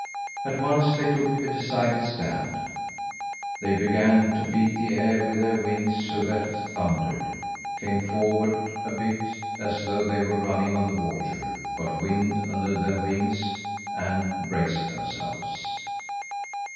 At once they took a decided stand. They began to beat the air with their wings so that it thundered; came forward a bit as though they were running on the water got wind under their wings, and raised themselves.